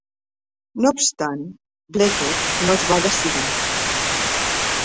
No obstant, Bleckede, no es va decidir.